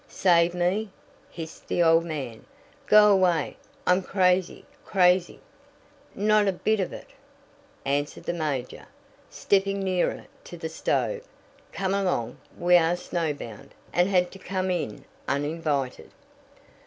"Save me!" hissed the old man. "Go away! I'm crazy crazy!" "Not a bit of it," answered the major, stepping nearer to the stove. "Come along. We are snowbound, and had to come in uninvited."